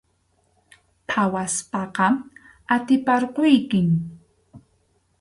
Phawaspaqa atiparquykim.